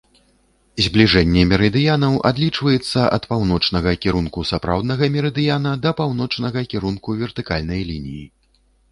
Збліжэнне мерыдыянаў адлічваецца ад паўночнага кірунку сапраўднага мерыдыяна да паўночнага кірунку вертыкальнай лініі.